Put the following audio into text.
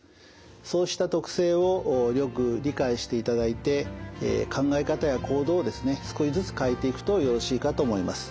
そうした特性をよく理解していただいて考え方や行動をですね少しずつ変えていくとよろしいかと思います。